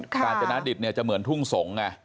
การจำน้ำดิบจะเหมือนทุ่งสงศ์นะ